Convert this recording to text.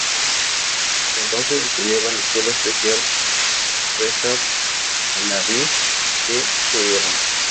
Hasta entonces, estudiaba en la Escuela Especial Reza Pahlaví, en Teherán.